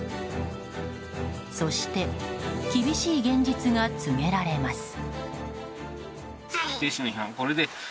そして、厳しい現実が告げられます。